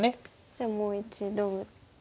じゃあもう一度打って。